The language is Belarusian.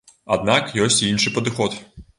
Аднак ёсць і іншы падыход.